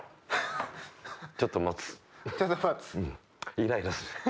イライラする。